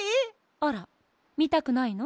あらみたくないの？